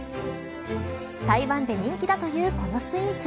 台湾で人気だというこのスイーツ。